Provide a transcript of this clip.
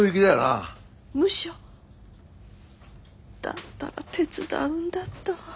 だったら手伝うんだった。